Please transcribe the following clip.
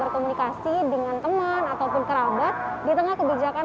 berkomunikasi dengan teman ataupun kerabat di tengah kebijakan